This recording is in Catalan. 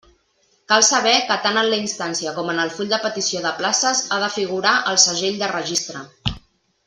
Cal saber que tant en la instància com en el full de petició de places ha de figurar el segell de registre.